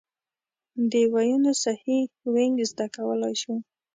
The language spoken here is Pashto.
د ویونو صحیح وینګ زده کولای شو.